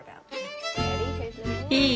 いい？